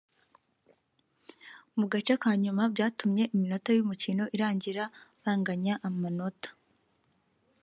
mu gace ka nyuma byatumye iminota ' y'umukino irangira banganya amanota